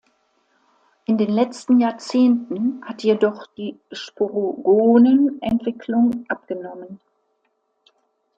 In den letzten Jahrzehnten hat jedoch die Sporogonen-Entwicklung abgenommen.